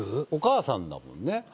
お母さんだもんね